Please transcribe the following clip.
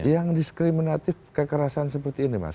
yang diskriminatif kekerasan seperti ini mas